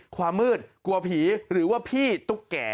ความมืดกลัวผีหรือว่าพี่ตุ๊กแก่